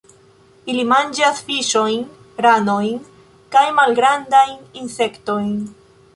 Ili manĝas fiŝojn, ranojn kaj malgrandajn insektojn.